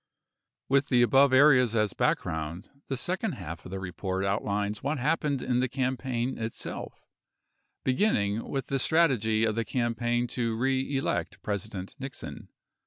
With the above areas as background, the second half of the report outlines what happened in the campaign itself, beginning with the strategy of the campaign to reelect President Nixon.